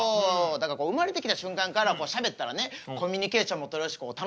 だから生まれてきた瞬間からしゃべったらねコミュニケーションも取れるし楽しそうやなと思うのよね。